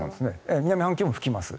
南半球も吹きます。